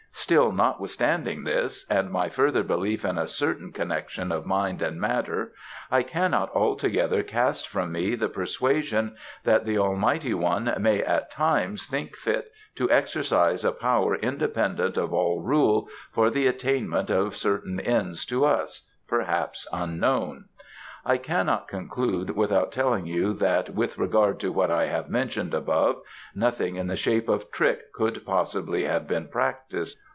Still, notwithstanding this, and my further belief in a certain connection of mind and matter, I cannot altogether cast from me the persuasion that the Almighty One may at times think fit to exercise a power independent of all rule, for the attainment of certain ends to us, perhaps, unknown. I cannot conclude without telling you that with regard to what I have mentioned above, nothing in the shape of trick could possibly have been practised.